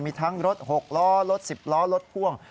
มีทั้งรถ๖ล้อรถ๑๐ล้อรถพ่วง